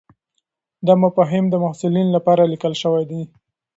دا مفاهیم د محصلینو لپاره لیکل شوي دي.